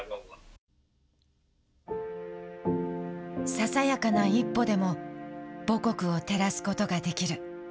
ささやかな一歩でも母国を照らすことができる。